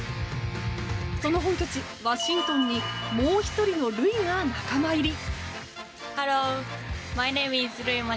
その本拠地ワシントンにもう１人のルイが仲間入り。